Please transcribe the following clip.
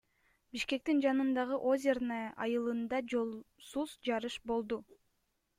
Бишкектин жанындагы Озерное айылында жолсуз жарыш болду.